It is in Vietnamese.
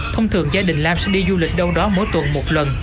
thông thường gia đình lam sẽ đi du lịch đâu đó mỗi tuần một lần